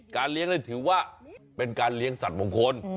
เลี้ยงเลยถือว่าเป็นการเลี้ยงสัตว์มงคล